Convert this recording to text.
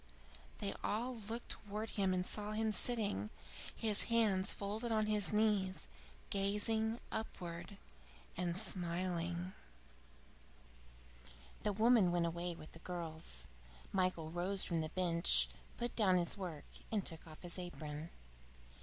They all looked towards him and saw him sitting, his hands folded on his knees, gazing upwards and smiling. X The woman went away with the girls. Michael rose from the bench, put down his work, and took off his apron.